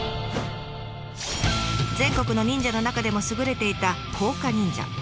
全国の忍者の中でも優れていた甲賀忍者。